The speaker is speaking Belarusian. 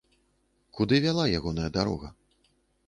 Куды вяла ягоная дарога?